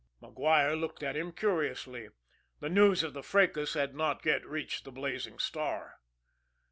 MacGuire looked at him curiously. The news of the fracas had not yet reached the Blazing Star.